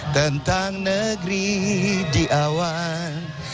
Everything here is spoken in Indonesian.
tentang negeri diawan